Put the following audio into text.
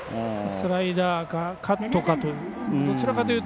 スライダーかカットかという。